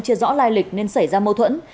chưa rõ lai lịch nên xảy ra mâu thuẫn